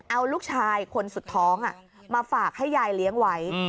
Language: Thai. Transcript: เอาลูกชายคนสุดท้องมาฝากให้ยายเลี้ยงไว้